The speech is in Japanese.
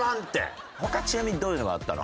他ちなみにどういうのがあったの？